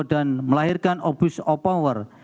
dan melahirkan abuse of power